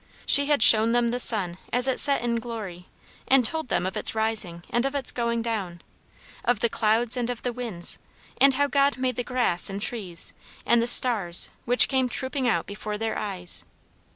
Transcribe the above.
She had shown them the sun as it set in glory, and told them of its rising and of its going down; of the clouds and of the winds, and how God made the grass and trees, and the stars, which came trooping out before their eyes.